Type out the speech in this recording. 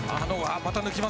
また抜きます。